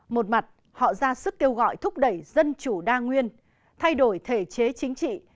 một mặt họ ra sức kêu gọi thúc đẩy dân chủ đa nguyên thay đổi thể chế chính trị